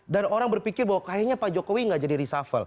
dan orang berpikir bahwa kayaknya pak jokowi gak jadi resuffle